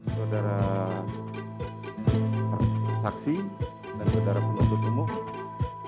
saudara saksi dan saudara penuntut umum